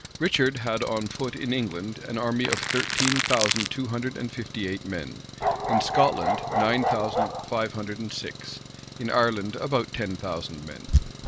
Richard had on foot in England an army of thirteen thousand two hundred and fifty eight men, in Scotland nine thousand five hundred and six, in Ireland about ten thousand men.